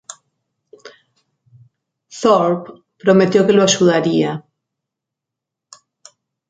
Thorpe prometió que lo ayudaría.